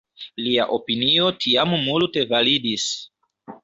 Lia opinio tiam multe validis.